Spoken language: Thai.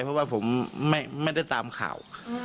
เพราะว่าผมไม่ได้ตามข่าว